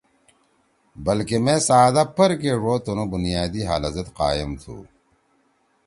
بلکہ مے ساعت دا پرکے ڙو تنُو بنیادی حالت زید قائم تُھو۔